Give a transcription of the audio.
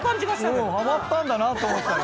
ハマったんだなと思ったら。